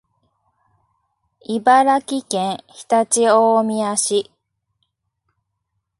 茨城県常陸大宮市